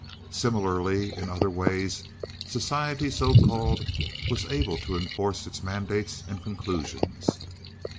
Similarly in other ways "society"—so called—was quite able to enforce its mandates and conclusions.